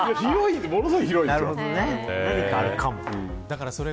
ものすごい広いんですよ。